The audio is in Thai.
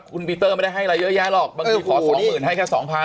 คุณปีเตอร์ไม่ได้ให้อะไรเยอะแยะหรอกบางทีขอสองหมื่นให้แค่สองพัน